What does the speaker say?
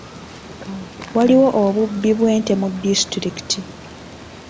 Waliwo obubbi bw'ente mu disitulikiti.